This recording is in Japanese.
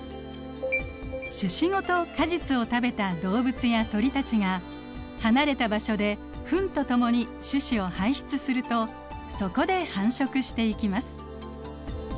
種子ごと果実を食べた動物や鳥たちが離れた場所でフンと共に種子を排出するとそこで繁殖していきます。